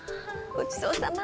ごちそうさま。